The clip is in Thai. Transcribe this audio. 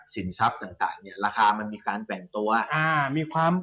สินทรัพย์ต่างราคามันมีการแปลงตัว